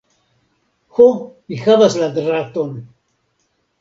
Ho, mi havas la draton!